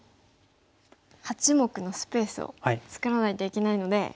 ８目のスペースを作らないといけないので。